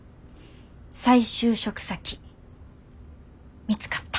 再就職先見つかった。